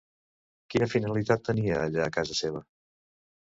Quina finalitat tenia allà casa seva?